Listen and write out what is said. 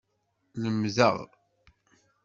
Lemdeɣ.